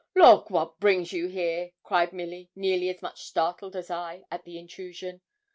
'Lawk! what brings you here?' cried Milly, nearly as much startled as I at the intrusion.